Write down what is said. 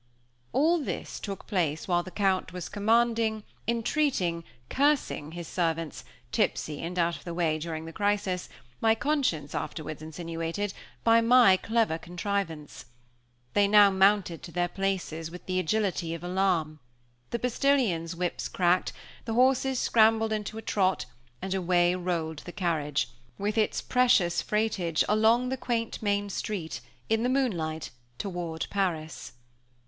All this took place while the Count was commanding, entreating, cursing his servants, tipsy, and out of the way during the crisis, my conscience afterwards insinuated, by my clever contrivance. They now mounted to their places with the agility of alarm. The postilions' whips cracked, the horses scrambled into a trot, and away rolled the carriage, with its precious freightage, along the quaint main street, in the moonlight, toward Paris.